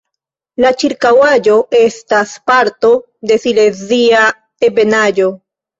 La ĉirkaŭaĵo estas parto de Silezia ebenaĵo.